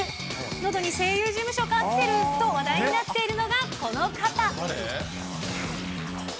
のどに声優事務所飼ってると話題になっているのがこの方。